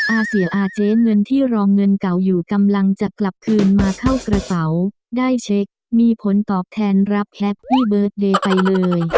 อาเสียอาเจ๊เงินที่รองเงินเก่าอยู่กำลังจะกลับคืนมาเข้ากระเป๋าได้เช็คมีผลตอบแทนรับแฮปปี้เบิร์ตเดย์ไปเลย